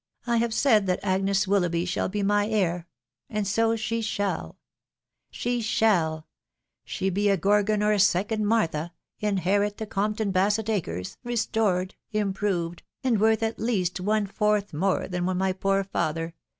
..." I have said that Agnes Wil loughby shall be my heir, .... and so she shall ;.... she shall (be she a gorgon or a second Martha) inherit the Compton Basett acres, restored, improved, and worth at least one fourth more than when my poor father